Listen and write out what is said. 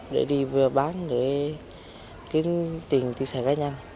để đi vừa bán để kiếm tiền tiền xe gái nhăn